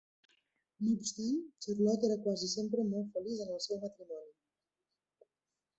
No obstant, Charlotte era quasi sempre molt feliç en el seu matrimoni.